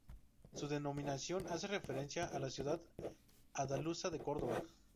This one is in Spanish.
Su denominación hace referencia a la ciudad andaluza de Córdoba.